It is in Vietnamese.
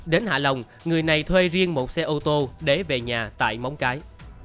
đến hạ long người này thuê riêng một xe ô tô để về nhà tại bóng cái